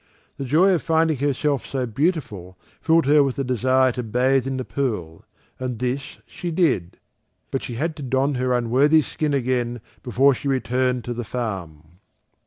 The joy of finding herself so beautiful filled her with the desire to bathe in the pool, and this she did. But she had to don her unworthy skin again before she returned to the farm.